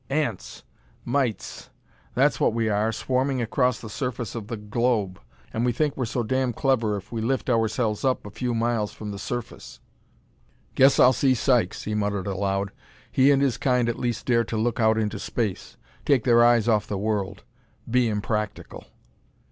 "Ants! Mites! That's what we are swarming across the surface of the globe. And we think we're so damn clever if we lift ourselves up a few miles from the surface! "Guess I'll see Sykes," he muttered aloud. "He and his kind at least dare to look out into space; take their eyes off the world; be impractical!"